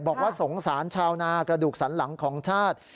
บอกว่าสงสารชาวนากระดูกสันหลังของชาติ